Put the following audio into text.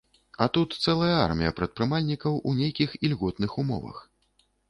А тут цэлая армія прадпрымальнікаў у нейкіх ільготных умовах.